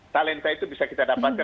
talenta itu bisa kita dapatkan